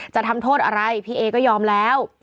จะทำโทษอะไรพี่เอก็ยอมแล้ว